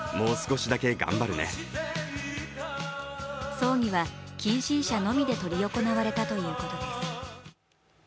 葬儀は近親者のみで執り行われたということです。